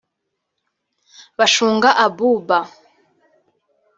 Bashunga Abouba